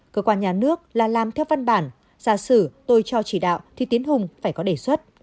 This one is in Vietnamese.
cơ quan nhà nước là làm theo văn bản ra sử tôi cho chỉ đạo thì tiến hùng phải có đề xuất